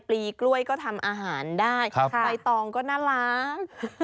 ปลีกล้วยก็ทำอาหารได้ใบตองก็น่าล้าง